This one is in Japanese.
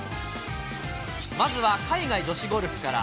まずは海外女子ゴルフから。